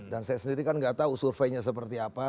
dan saya sendiri kan tidak tahu surveinya seperti apa